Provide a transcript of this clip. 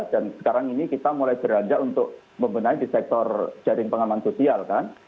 dan sekarang ini kita mulai beranjak untuk membenahi di sektor jaring pengaman sosial kan